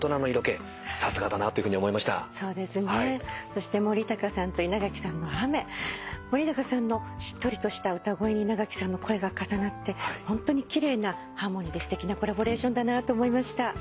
そして森高さんと稲垣さんの『雨』森高さんのしっとりとした歌声に稲垣さんの声が重なってホントに奇麗なハーモニーですてきなコラボレーションだなと思いました。